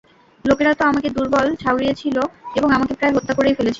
লোকেরা তো আমাকে দুর্বল ঠাউরিয়েছিল এবং আমাকে প্রায় হত্যা করেই ফেলেছিল।